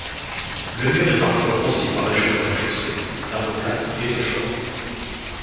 Le mur est parfois grossi par l'ajout d'un fossé, d'un replat et de forts.